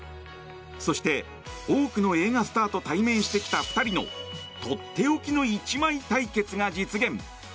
そして、多くの映画スターと対面してきた２人のとっておきの１枚対決が実現。